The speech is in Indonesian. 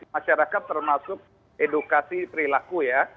masyarakat termasuk edukasi perilaku ya